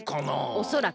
おそらく。